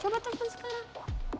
coba telepon sekarang